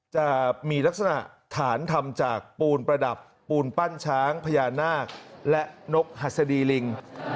จะมีลักษณะฐานทำจากปูนประดับปูนปั้นช้างพญานาคและนกหัสดีลิง